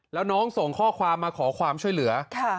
แล้วน้องส่งข้อความมาขอความช่วยเหลือ